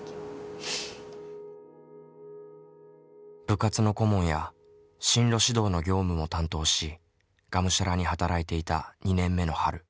部活の顧問や進路指導の業務も担当しがむしゃらに働いていた２年目の春。